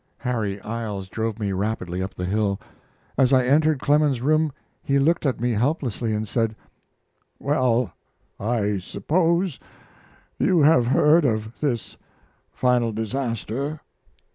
Harry Iles drove me rapidly up the hill. As I entered Clemens's room he looked at me helplessly and said: "Well, I suppose you have heard of this final disaster."